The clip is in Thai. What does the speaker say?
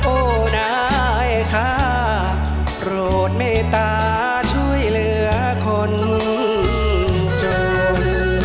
โอ้นายข้าโปรดไม่ตาช่วยเหลือคนจม